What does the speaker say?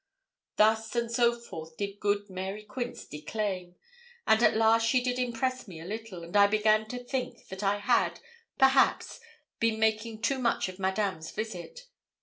Thus and soforth did good Mary Quince declaim, and at last she did impress me a little, and I began to think that I had, perhaps, been making too much of Madame's visit.